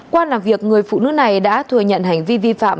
qua làm việc người phụ nữ này đã thừa nhận hành vi vi phạm